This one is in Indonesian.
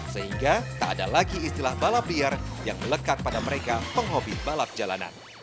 sehingga tak ada lagi istilah balap liar yang melekat pada mereka penghobi balap jalanan